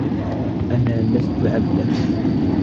أنا لست عبدك.